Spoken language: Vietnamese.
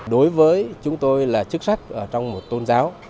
đối với chúng tôi là chức sắc trong một tôn giáo